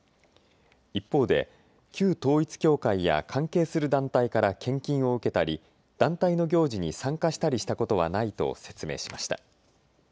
一方で旧統一教会や関係する団体から献金を受けたり団体の行事に参加したりしたことはないと説明しました。